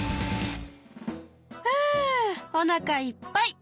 ふおなかいっぱい！